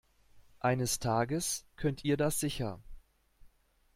Eines Tages könnt ihr das sicher.